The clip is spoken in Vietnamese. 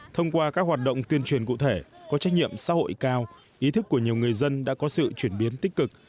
thông qua các hoạt động tuyên truyền cụ thể có trách nhiệm xã hội cao ý thức của nhiều người dân đã có sự chuyển biến tích cực